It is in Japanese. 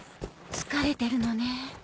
疲れてるのね。